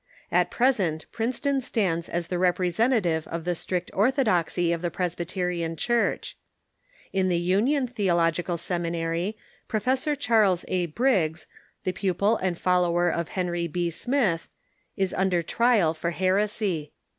At present Princeton stands as the representative of the strict orthodoxy of the Presbyterian Church, In the Union Theological Seminary, Professor Charles A. Briggs, the pupil and follower of Henry B. Smith, is under trial for heresy.